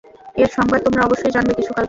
এর সংবাদ তোমরা অবশ্যই জানবে কিছুকাল পরে।